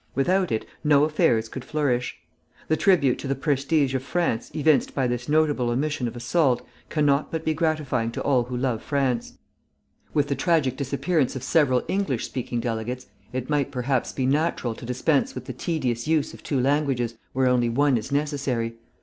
Without it, no affairs could flourish. The tribute to the prestige of France evinced by this notable omission of assault cannot but be gratifying to all who love France. With the tragic disappearance of several English speaking delegates, it might perhaps be natural to dispense with the tedious use of two languages where only one is necessary.